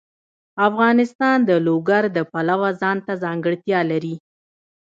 افغانستان د لوگر د پلوه ځانته ځانګړتیا لري.